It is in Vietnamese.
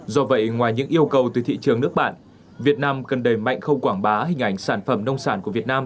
do vậy ngoài những yêu cầu từ thị trường nước bạn việt nam cần đẩy mạnh khâu quảng bá hình ảnh sản phẩm nông sản của việt nam